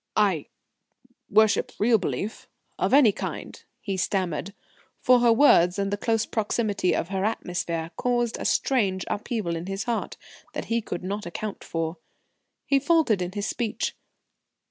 "I worship real belief of any kind," he stammered, for her words and the close proximity of her atmosphere caused a strange upheaval in his heart that he could not account for. He faltered in his speech.